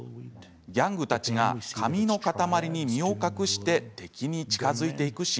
ギャングたちが紙の塊に身を隠して敵に近づいていくシ。